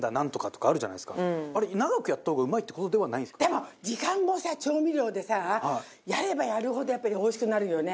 でも時間もさ調味料でさやればやるほどやっぱりおいしくなるよね。